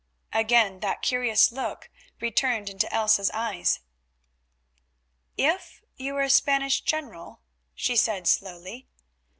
Again that curious look returned into Elsa's eyes. "If you were a Spanish general," she said slowly.